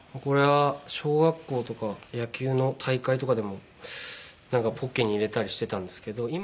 これは小学校とか野球の大会とかでもなんかポッケに入れたりしてたんですけど。